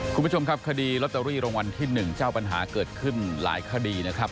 คุณผู้ชมครับคดีลอตเตอรี่รางวัลที่๑เจ้าปัญหาเกิดขึ้นหลายคดีนะครับ